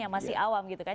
yang masih awam gitu kan